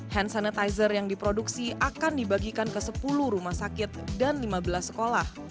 hand sanitizer yang diproduksi akan dibagikan ke sepuluh rumah sakit dan lima belas sekolah